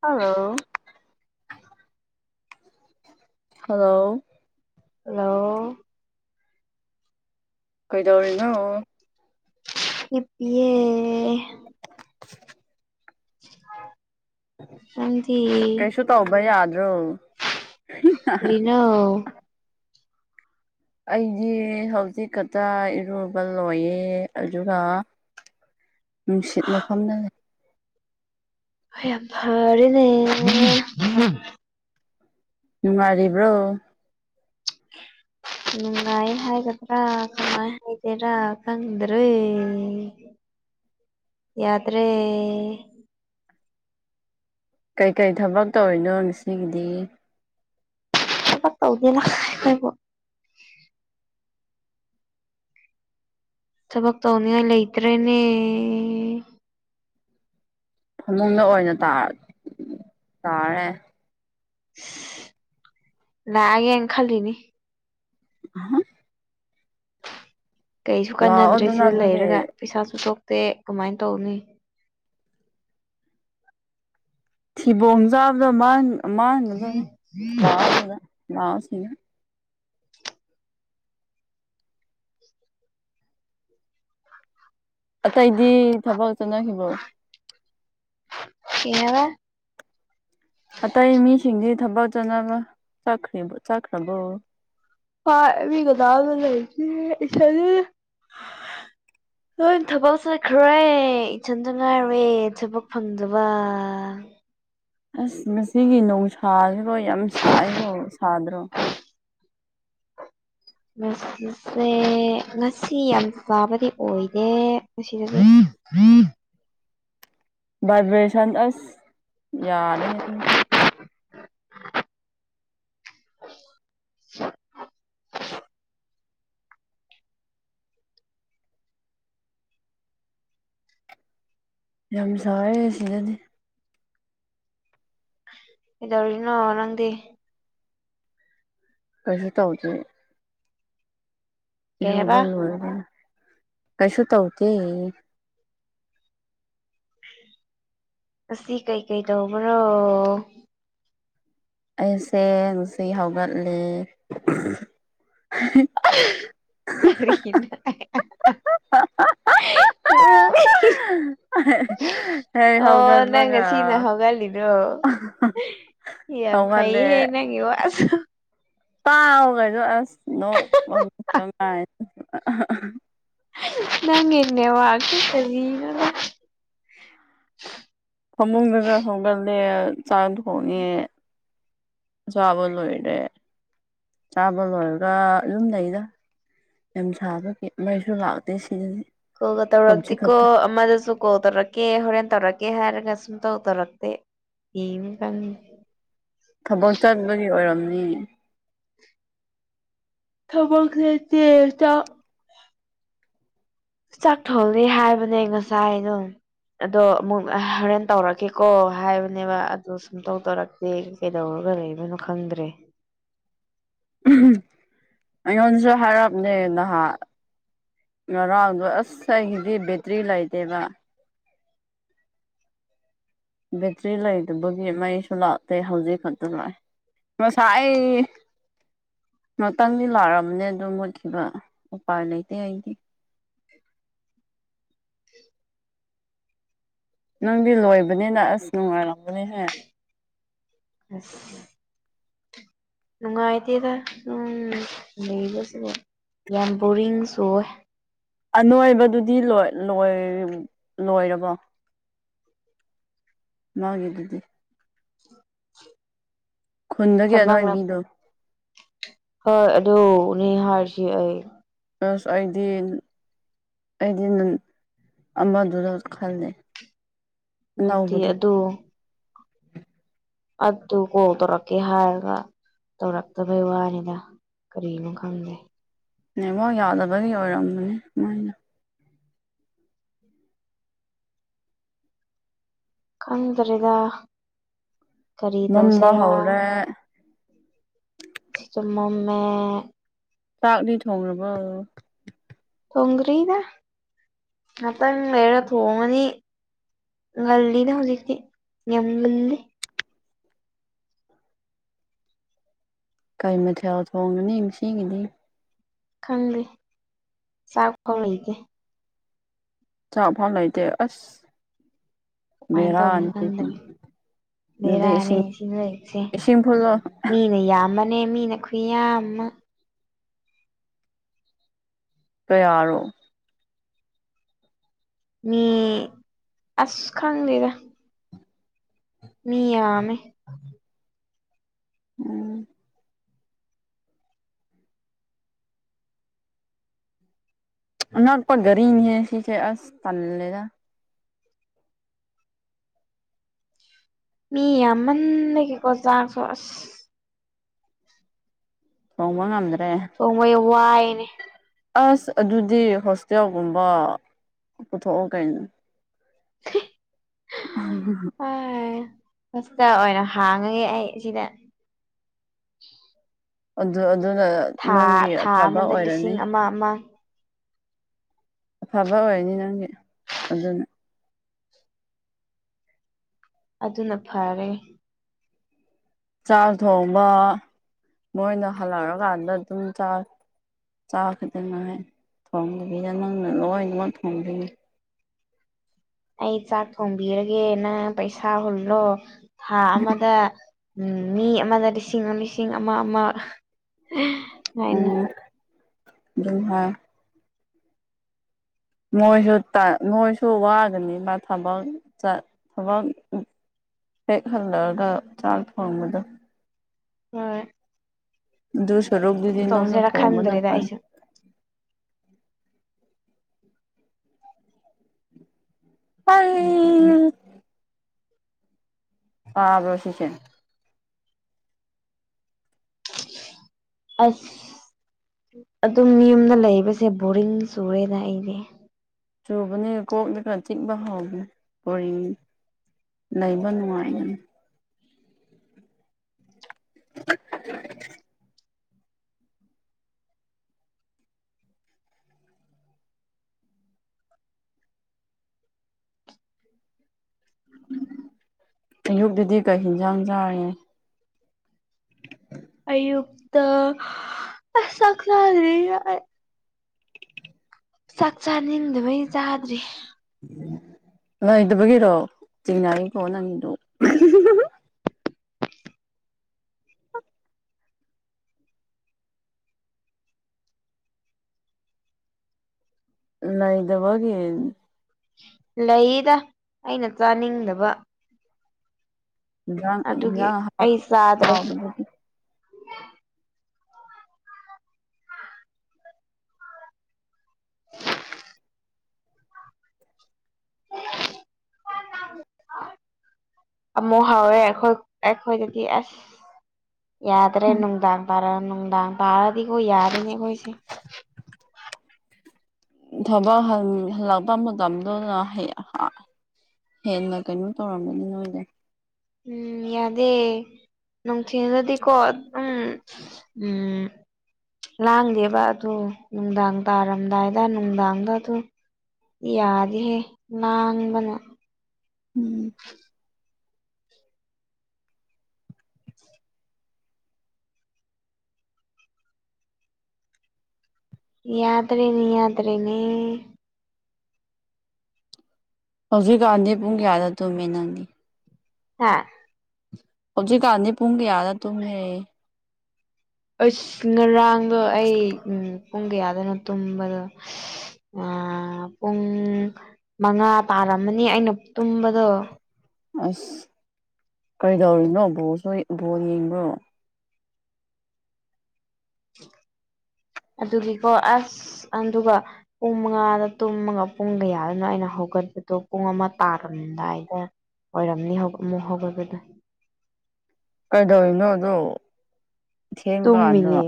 hello hello hello ꯀꯣꯏꯗꯧꯔꯤꯅ ꯏꯄꯤꯦ [inaudible] ꯑꯤ ꯔꯣ ꯀꯩꯗꯧꯔꯤꯅꯣ ꯑꯩꯗꯤ ꯍꯧꯖꯤꯛꯀꯛꯇ ꯏꯔꯨꯕ ꯂꯣꯏꯌꯦ ꯑꯗꯨꯒ ꯅꯨꯡꯁꯤꯠ ꯃꯐꯝꯅ ꯍ ꯌꯥꯝ ꯐꯔꯦꯅꯦ ꯅꯨꯡꯉꯔꯤꯕ꯭ꯔꯣ ꯅꯨꯡ ꯉꯥꯏ ꯍꯥꯏꯒꯗ꯭ꯔꯥ ꯀꯉꯥꯏ ꯍꯥꯏꯗꯦꯔꯥ ꯀꯪꯗ꯭ꯔꯔꯤ ꯎ ꯌꯥꯗ꯭ꯔꯦ ꯀꯩꯀꯩ ꯊꯕꯛ ꯇꯧꯔꯤꯅꯣ ꯉꯁꯤꯒꯤꯗꯤ ꯍꯄꯥꯛ ꯇꯗꯤꯕꯣ ꯊꯕꯛ ꯇꯧꯅꯤꯉꯥꯏ ꯂꯩꯇ꯭ꯔꯦꯅꯦ ꯐꯃꯨꯡꯗ ꯑꯣꯏꯅꯥ ꯇꯥꯔꯦ ꯂꯒꯦ ꯈꯂꯤꯅꯤ ꯑ ꯀꯩꯁꯨ ꯂꯥꯛꯑꯣ ꯀꯥꯟꯅꯗ꯭ꯔꯦ ꯑꯗꯨꯅ ꯁꯤꯗ ꯑꯗꯨꯗꯤ ꯂꯩꯔꯒ ꯄꯩꯁꯥꯁꯨ ꯊꯣꯛꯣꯛꯇꯦ ꯀꯃꯥꯏꯅ ꯇꯧꯅꯤ ꯊꯤꯕꯣꯡ ꯆꯥꯕꯗ ꯃꯥꯡꯒꯗꯕꯅꯤ ꯂꯥꯛꯑꯣꯗꯨꯅ ꯂꯥꯛꯑꯣ ꯏ ꯑꯇꯩꯗꯤ ꯊꯕꯛ ꯆꯠꯅꯈꯤꯕꯣ ꯀ ꯍꯥꯏꯕ ꯑꯇꯩ ꯃꯤꯁꯤꯡꯁꯤ ꯊꯕꯛ ꯆꯥꯅꯕ ꯆꯈ꯭ꯔꯤꯕ ꯆꯠꯈ꯭ꯔꯕꯣ ꯐꯥ ꯀꯗꯥꯕ ꯂꯩ ꯍꯣꯏ ꯊꯕꯛ ꯆꯠꯈ꯭ꯔꯦ ꯏꯆꯟꯁꯨ ꯉꯥꯏꯔꯦ ꯊꯕꯛ ꯐꯪꯗꯕ [inaudible] ꯑꯁ ꯃꯁꯤꯒꯤ ꯣꯡꯁꯥꯁꯤꯔꯣ ꯌꯥꯝ ꯁꯥꯏꯀꯣ ꯁꯥꯗ꯭ꯔꯣ [inaudible] ꯉꯁꯤꯁꯦ ꯉꯁꯤ ꯌꯥꯝ ꯆꯥꯕꯗꯤ ꯑꯣꯏꯔꯦ ꯃꯁꯤꯗ ꯎꯝ ꯚꯥꯏꯕ꯭ꯔꯦꯁꯟ ꯑꯁ ꯌꯥꯔꯦ ꯑꯗꯨꯁꯨ ꯎ ꯌꯥꯝ ꯁꯔꯦ ꯁꯤꯗꯗꯤ ꯏ ꯑꯣꯏꯅꯣ ꯅꯪꯗꯤ ꯀꯁ ꯇꯧ ꯀꯩ ꯍꯥꯏꯕ ꯔꯨꯕꯟ ꯋꯥ ꯀꯁꯨꯁꯨ ꯇꯧꯇ ꯑ ꯁꯤ ꯀꯩ ꯀꯩ ꯇꯧꯔꯣ ꯑꯩꯁꯦꯁꯤ ꯍꯧꯒꯠꯂ ꯀꯔꯤꯅ ꯎꯝ [unintelligible] [inaudible] ꯍ ꯍꯒ ꯑꯣ ꯅꯪ ꯑꯗꯨꯕꯒ ꯉꯁꯤꯅ ꯍꯧꯒꯠꯂꯤꯗꯣ [unintelligible] [inaudible] ꯌꯥꯝ ꯒꯩꯍ ꯅꯪꯒꯤ ꯋꯥꯁꯨ ꯄꯥꯎ ꯀꯁꯨ ꯑꯁ ꯅ ꯅꯒꯤ ꯅꯦꯠꯑꯣꯔꯀ ꯁꯤ ꯀꯔꯤ ꯅꯣꯅꯦ ꯐꯃꯨꯡꯗꯒ ꯍꯧꯣꯡꯒꯠꯂꯦ ꯆꯥꯛ ꯊꯣꯡꯉꯦ ꯆꯥꯕ ꯂꯣꯏꯔꯦ ꯆꯥꯕ ꯂꯣꯏꯔꯒ ꯌꯨꯝ ꯂꯩꯗ ꯌꯥꯝ ꯁꯥꯕꯒꯤ ꯃꯩꯁꯨ ꯂꯥꯛꯇꯦ ꯁꯤꯗ ꯀꯧꯒ ꯇꯧꯔꯛꯇꯦꯀꯣ ꯑꯃꯗꯁꯨ ꯀꯣ ꯇꯧꯔꯛꯀꯦ ꯍꯣꯔꯦꯟ ꯇꯧꯔꯛꯀꯦ ꯍꯥꯏꯔꯒꯁꯨ ꯁ ꯇꯧ ꯇꯔꯛꯇꯦ ꯏ ꯀ ꯊꯕꯛ ꯆꯠꯕꯒꯤ ꯑꯣꯏꯔꯝꯅꯤ ꯊꯕꯛ ꯂꯩꯇꯦ ꯆꯥꯛ ꯆꯥꯛꯊꯣꯜꯂꯤ ꯍꯥꯏꯕꯅꯦ ꯉꯁꯥꯏ ꯑ ꯑꯗꯨꯣ ꯑꯗꯣ ꯑꯃꯨꯛ ꯍꯣꯔꯦꯟ ꯇꯧꯔꯛꯀꯦꯀꯣ ꯍꯥꯏꯕꯅꯦꯕ ꯑꯗꯣ ꯁꯨꯝ ꯇꯧ ꯇꯧꯔꯛꯇꯦ ꯀꯩꯗꯔ ꯄꯨꯔ ꯂꯩꯕꯅꯣ ꯈꯪꯗ꯭ꯔꯦ [unintelligible] [inaudible] ꯑꯩꯉꯣꯟꯁꯨ ꯍꯥꯏꯔꯞꯅꯦ ꯅꯍꯥꯛ ꯉꯔꯥꯡꯗꯣ ꯑꯁ ꯑꯩꯒꯤꯗꯤ ꯕꯦꯇ꯭ꯔꯤ ꯂꯩꯇꯦꯕ ꯕꯦꯇ꯭ꯔꯤ ꯂꯩꯗꯨꯕꯒꯤ ꯃꯩꯁꯨ ꯂꯥꯛꯇꯦ ꯍꯧꯖꯤꯛ ꯈꯛꯇ ꯂꯥꯛꯑꯦ ꯃꯁꯥꯏ ꯉꯥꯛꯇꯪꯗꯤ ꯂꯥꯛꯑꯝꯅꯦ ꯑꯗꯨꯣ ꯃꯨꯠꯈꯤꯕ ꯎꯄꯥꯏ ꯂꯩꯇꯦ ꯑꯩꯗꯤ ꯅꯪꯗꯤ ꯂꯣꯏꯕꯅꯤꯅ ꯑꯁ ꯅꯨꯡꯉꯥꯏꯔꯝꯕꯅꯤꯍꯦ ꯑ ꯅꯨꯡꯉꯥꯏꯗꯦꯗ ꯎꯝ ꯂꯩꯕ ꯁꯤꯕꯣ ꯌꯥꯝ ꯕꯣꯔꯤꯡꯁꯨ ꯑꯣꯏ ꯑꯅꯣꯏꯕꯗꯨꯗꯤ ꯂꯣꯏ ꯂꯣꯏꯔꯕꯣ ꯃꯥꯦ ꯑꯗꯨꯗꯤ ꯈꯨꯟꯗꯒꯤ ꯊꯕꯛꯅ ꯑꯅꯋꯥꯏꯕꯤꯗꯣ ꯍꯣꯏ ꯑꯗꯨ ꯅꯅꯤꯍꯥꯔꯁꯤ ꯑꯩ ꯑꯁ ꯑꯩꯗꯤ ꯑꯩꯗꯤ ꯅ ꯑꯃꯗꯨꯗ ꯈꯜꯂꯦ ꯅꯠꯇꯦ ꯑꯅꯧꯕꯗꯣ ꯑꯗꯨ ꯑꯗꯨ ꯑꯗꯨ ꯀꯣ ꯇꯔ ꯀꯦ ꯍꯥꯏꯒ ꯇꯧꯔꯛꯇꯕꯩ ꯋꯥꯅꯤꯗ ꯀꯔꯤꯅꯣ ꯈꯪꯗꯦ ꯑꯦꯕ ꯌꯥꯗꯕꯒꯤ ꯑꯣꯏꯔꯝꯕꯅꯦ ꯃꯣꯏꯅ ꯈꯪꯗ꯭ꯔꯦꯗ ꯀꯔꯤ ꯃꯝꯕ ꯇꯧꯁꯤꯦꯔꯥ ꯍꯧꯔꯦ ꯆꯨꯝ ꯃꯝꯃꯦ ꯆꯥꯛꯇꯤ ꯊꯣꯡꯈꯕꯣ ꯊꯣꯡꯒꯔꯤꯅꯦ ꯑꯇꯪ ꯃꯔ ꯊꯣꯡꯉꯅꯤ ꯉꯜꯂꯤꯗ ꯍꯧꯖꯤꯛꯇꯤ ꯅꯝꯒꯜꯂꯤ ꯀꯩ ꯃꯊꯦꯜ ꯊꯣꯡꯉꯅꯤ ꯏꯒꯤꯅꯤ ꯈꯪꯗꯦ ꯆꯥꯛꯐꯥꯎ ꯂꯩꯇꯦ ꯆ ꯐꯥꯎ ꯂꯩꯗꯦ ꯑꯁ ꯀꯃꯥꯏꯅ ꯇꯧꯅꯤ ꯕꯦꯔꯥꯅꯤ ꯈꯪꯗ꯭ꯔꯦ ꯑꯗꯨꯗꯤ ꯕꯦꯔꯥꯅꯤ ꯏꯁꯤꯡ ꯁꯤꯅ ꯂꯩꯁꯦ ꯏꯁꯤꯡ ꯐꯨꯜꯂꯣ ꯃꯤꯅ ꯌꯥꯝꯃ ꯅꯦꯃꯤꯅ ꯈꯨꯌꯥꯃ ꯀꯌꯥꯔꯣ ꯃꯤ ꯑꯁ ꯈꯥꯟ ꯂꯩꯔ ꯃꯤ ꯌꯥꯃꯦ ꯎꯝ ꯑꯣꯄꯥꯣꯏ ꯔꯤ ꯍꯁꯤ ꯆ ꯑꯁ ꯇ ꯂꯩ ꯃꯤ ꯌꯥꯝꯃꯟ ꯂꯩꯒꯦꯀꯣ ꯆꯥꯛꯁꯨ ꯑꯁ ꯍ ꯋꯥ ꯉꯗ ꯁꯣꯉꯣꯏ ꯋꯥꯏꯅꯦ ꯑꯁ ꯑꯗꯨꯗꯤ ꯍꯣꯁꯇꯦꯜꯒꯨꯝꯕ ꯄꯨꯊꯣꯛꯑꯣ ꯀꯩꯅꯩꯅꯣ [inaudible] ꯎ ꯐꯁꯇ ꯑꯣꯏꯅ ꯍꯥꯡꯉꯒꯦ ꯑꯩ ꯁꯤꯗ ꯑꯗꯨ ꯑꯗꯨꯅ ꯊꯥ ꯅꯪꯒꯤ ꯊꯥ ꯑꯐꯕ ꯑꯃꯗ ꯑꯣꯏꯔꯅꯤ ꯂꯤꯁꯤꯡ ꯑꯃ ꯑꯃ ꯑꯐꯕ ꯑꯣꯏꯅꯤ ꯅꯪꯒꯤ ꯑꯗꯨꯅ ꯑꯗꯨꯅ ꯐꯔꯦ ꯆꯥꯛ ꯊꯣꯡꯕ ꯃꯣꯏꯅ ꯍꯜꯂꯛꯔꯀꯥꯟꯗ ꯑꯗꯨꯝ ꯆꯥꯛ ꯆꯥꯈꯤꯗꯅ ꯍꯥꯏ ꯊꯣꯡꯗꯕꯤꯗ ꯅꯪꯅ ꯂꯣꯏꯅꯃꯛ ꯊꯣꯡꯗꯅꯤ ꯑꯩ ꯆꯥꯛ ꯊꯣꯡꯕꯤꯔꯒꯦ ꯅꯪ ꯄꯩꯁꯥ ꯍꯨꯜꯂꯣ ꯊꯥ ꯑꯃꯗ ꯎꯝ ꯃꯤ ꯑꯃꯗ ꯂꯤꯁꯤꯡ ꯑꯃ ꯂꯤꯁꯤꯡ ꯑꯃ ꯑꯃ ꯑꯣ ꯍꯥꯏꯅ ꯨꯝꯚꯥ ꯃꯣꯏꯁꯨ ꯃꯣꯏꯁꯨ ꯋꯥꯒꯅꯤ ꯃꯥ ꯊꯕꯛ ꯊꯕꯛ ꯍꯦꯛ ꯍꯜꯂꯛꯑꯒ ꯆꯥꯛ ꯊꯣꯡꯕꯗꯣ ꯍꯣꯏ ꯑꯗꯨ ꯗꯨꯁꯨꯣꯔꯨꯛꯗꯤꯗꯤꯅꯅ ꯇꯧꯁꯤꯔꯥ ꯊꯣꯡꯕꯅ ꯈꯪꯗ꯭ꯔꯦꯗ ꯐꯅꯤ ꯑꯩꯁꯨ ꯑ ꯑꯥꯕꯣꯁꯤꯁꯦ ꯑꯁ ꯑꯗꯨꯝ ꯌ ꯌꯨꯝꯗ ꯂꯩꯕꯁꯦ ꯕꯣꯔꯤꯡ ꯁꯨꯔꯦꯗ ꯑꯩꯗꯤ ꯆꯨꯕꯅꯦ ꯀꯣꯛꯂꯒ ꯆꯤꯛꯕ ꯍꯥꯎꯏ ꯀꯣꯔꯤꯅꯤ ꯂꯩꯕ ꯅꯨꯡꯉꯥꯏꯅꯤ [inaudible] ꯑꯌꯨꯛꯇꯛꯇꯨꯗꯤ ꯀꯩ ꯌꯦꯟꯁꯥꯡ ꯆꯥꯔꯦ ꯑꯌꯨꯛꯇꯛꯇ ꯑ ꯀꯂ ꯆꯥꯛ ꯆꯥꯅꯤꯡꯗꯨꯃꯩ ꯆꯥꯗ꯭ꯔꯤ ꯂꯩꯗꯕꯒꯤꯔꯣ ꯆꯤꯡꯅꯏꯀꯣ ꯅꯪꯉꯗꯣ ꯅ ꯏꯕꯦ ꯂꯩꯗ ꯑꯩꯅ ꯆꯥꯅꯤꯡꯗꯕ ꯏꯟꯖꯥꯡ ꯑꯗꯨꯒꯤ ꯏꯟꯖꯥꯡ ꯍꯥꯏ ꯑꯩ ꯆꯥꯗ꯭ꯔꯦ ꯍꯥꯎꯕꯕꯨꯗꯤ [inaudible] [unintelligible] ꯃꯣ ꯍꯋꯦ ꯑꯦꯈꯣꯏ ꯑꯦꯈꯣꯏꯗꯤ ꯑꯁ ꯌꯥꯗ꯭ꯔꯦ ꯅꯨꯡꯗꯥꯡ ꯄꯥꯔ ꯅꯨꯡꯗꯥꯡ ꯄꯥꯔꯗꯤꯈꯣꯏ ꯌꯥꯔꯤꯅꯦ ꯑꯩꯈꯣꯏꯁꯦ ꯊꯕꯛ ꯍꯜꯂꯛꯄ ꯃꯇꯝꯗꯨꯅ ꯍꯦꯟꯅ ꯀꯩꯅꯣ ꯇꯧꯔꯝꯒꯅꯤ ꯅꯣꯏꯗ ꯎꯝ ꯌꯥꯗꯦ ꯅꯨꯡꯊꯤꯜꯗꯗꯤꯀꯣ ꯑꯗꯨꯗꯤꯀꯣ ꯎꯝ ꯎꯝ ꯂꯥꯡꯗꯦꯕ ꯑꯗꯨ ꯅꯨꯡꯗꯥꯡ ꯇꯥꯔꯝꯗꯥꯏꯗ ꯅꯨꯡꯗꯥꯡꯗ ꯑꯗꯨ ꯌꯥꯗꯍꯦ ꯅꯥꯡꯕꯅꯦ ꯎꯝ ꯌꯥꯗ꯭ꯔꯔꯤꯅꯤ ꯌꯥꯗ꯭ꯔꯦꯅꯤ ꯍꯧꯖꯤꯛ ꯀꯥꯟꯗꯦ ꯄꯨꯡ ꯀꯌꯥꯗ ꯇꯨ ꯃꯅꯗꯤ ꯍꯥꯥ ꯍꯧꯖꯤ ꯀꯥꯥꯟꯅꯤ ꯄꯨꯡ ꯀꯌꯥꯗ ꯇꯨꯍꯦ ꯑꯁ ꯉꯔꯥꯡꯗꯣ ꯑꯩ ꯎꯝ ꯄꯨꯡ ꯀꯌꯥꯗꯅꯣ ꯇꯨꯝꯕꯗꯣ ꯄꯨꯡ ꯃꯉꯥ ꯇꯥ ꯌꯥꯔꯝꯃꯅꯤ ꯑꯩꯅ ꯇꯨꯝꯕꯗꯣ ꯑꯁ ꯀꯔꯤꯗꯧꯔꯤꯅꯣ ꯕꯣꯜꯁꯨ ꯕꯣꯔ ꯌꯦꯡꯕꯣ ꯑꯗꯨꯒꯤꯀꯣ ꯑꯁ ꯑꯗꯨꯒ ꯄꯨꯡ ꯃꯉꯥꯗ ꯇꯨꯝꯃꯒ ꯄꯨꯡꯒꯌꯥꯗꯅ ꯑꯩꯅ ꯍꯧ ꯍꯧꯒꯠꯄꯗꯣ ꯄꯨꯡ ꯑꯃ ꯇꯥꯔꯝꯗꯥꯏꯗ ꯑꯣꯏꯔꯝꯅꯤ ꯑꯃꯨꯛ ꯍꯧꯒꯠꯄꯗꯣ ꯍꯥꯏꯗꯣ ꯏꯩꯅꯣꯗꯣ ꯇꯃꯤꯅꯤ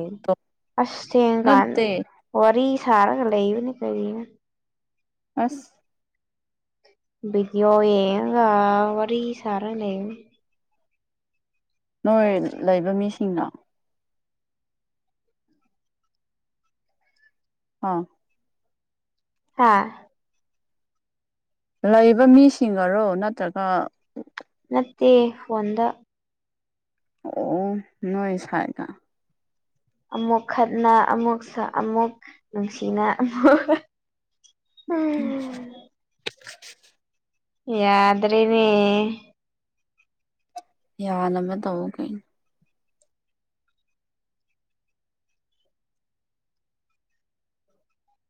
ꯑꯁ ꯀ ꯅꯠꯇꯦ ꯋꯥꯔꯤꯔꯤ ꯁꯔꯒ ꯂꯩꯅꯤ ꯀ ꯑꯁ ꯕꯤꯗꯤꯑꯣ ꯌꯦꯒ ꯋꯥꯔꯤ ꯋꯥꯔꯤ ꯁꯔꯅꯦ ꯅꯣꯏ ꯂꯩꯕ ꯃꯤꯁꯤꯡꯅ ꯑꯥ ꯍꯥꯥ ꯂꯩꯕ ꯃꯤꯁꯤꯡꯒꯔꯣ ꯅꯠꯇ꯭ꯔꯒ ꯦ ꯍꯗ ꯑꯣ ꯅꯣꯏ ꯁꯥꯏꯒ ꯑꯃꯨꯛ ꯈꯠꯅ ꯑꯃꯨꯛ ꯑꯃꯨꯛ ꯅꯨꯡꯁꯤꯅ ꯑꯃꯨꯛ ꯎꯝ ꯌꯥꯗ꯭ꯔꯅꯤ ꯌꯥꯅ ꯃ ꯇꯕꯨ ꯀꯩꯅꯅ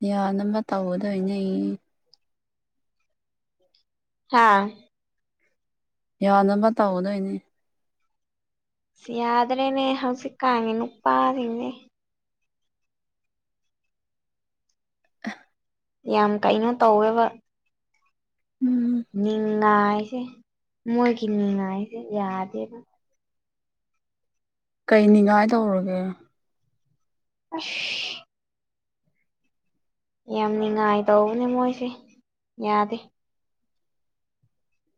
ꯌꯥ ꯑꯃ ꯇꯧꯒꯗꯣꯏꯅꯦ ꯑꯩ ꯍꯥꯥ ꯌꯥꯅꯕ ꯇꯧꯑꯣꯣ ꯅꯣꯏꯅꯦ ꯁꯤ ꯌꯥꯗ꯭ꯔꯦꯅꯦ ꯍꯧꯁꯤ ꯀꯥꯉꯦ ꯅꯨ ꯎꯄꯥꯁꯤꯡꯅꯦ ꯌꯥꯝ ꯀꯩꯅꯣ ꯇꯧꯋꯦꯕ ꯎꯝ ꯅꯤꯡꯉꯥꯏꯁꯦ ꯃꯣꯏꯒꯤ ꯅꯤꯡꯉꯥꯏꯁꯦ ꯌꯥꯗꯦꯕ ꯀꯩꯅꯤꯉꯥꯏ ꯇꯧꯔꯒꯦ ꯑ ꯌꯥꯝ ꯅꯤꯡꯉꯥꯏ ꯇꯧꯕꯅꯦ ꯃꯣꯏꯁꯦ ꯌꯥꯗꯦ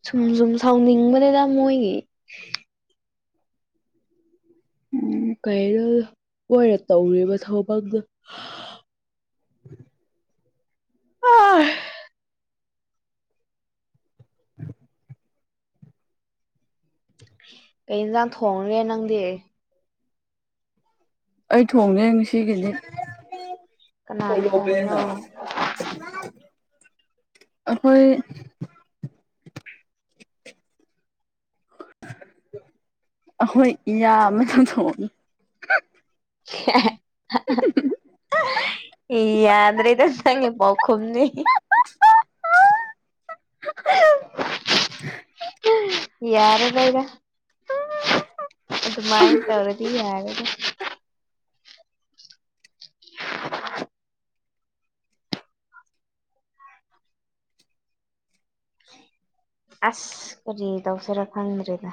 ꯁꯨꯝ ꯁꯨꯝ ꯁꯥꯎꯅꯤꯡꯕꯅꯤꯅ ꯃꯣꯏꯒꯤ ꯎꯝ ꯀꯩꯅꯣꯔ ꯇꯧꯔꯤꯕ ꯊꯧꯐꯝꯝꯗꯨ ꯑ ꯀ ꯌꯦꯟꯁꯥꯡ ꯊꯣꯡꯒꯦ ꯅꯪꯗꯤ ꯑꯩ ꯊꯣꯡꯅꯦ ꯉꯁꯤꯒꯤꯗꯤ ꯀꯅꯥꯅ ꯊꯣꯡꯉꯤꯅꯣ ꯑꯣꯂꯣꯕꯅ ꯑꯩꯈꯣꯏ ꯈꯣꯏ ꯏ ꯃ ꯊ [unintelligible] ꯏ ꯌꯥꯗ꯭ꯔꯦ ꯏꯗ ꯅꯪꯉꯦ ꯄꯥꯎꯈꯝꯅꯤ ꯌꯥꯔꯕꯩꯗ ꯑꯗꯨꯃꯥꯏꯟ ꯇꯧꯔꯗꯤ ꯌꯥꯔꯒ ꯑꯁ ꯀꯔꯤ ꯇꯧꯁꯔ ꯈꯪꯗ꯭ꯔꯦꯗ